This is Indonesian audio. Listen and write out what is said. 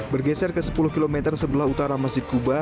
bergeser ke sepuluh km sebelah utara masjid kuba